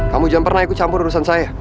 kamu jangan pernah ikut campur urusan saya